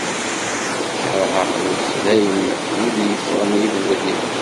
Kerheɣ lexdayem n wid yeffɣen i ubrid.